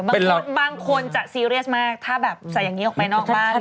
บางคนบางคนจะซีเรียสมากถ้าแบบใส่อย่างนี้ออกไปนอกบ้าน